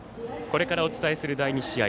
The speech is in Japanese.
これからお伝えする第２試合。